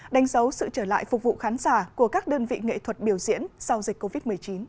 đánh dấu sự trở lại phục vụ khán giả của các đơn vị nghệ thuật biểu diễn sau dịch covid một mươi chín